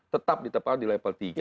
tetap ditempat di level tiga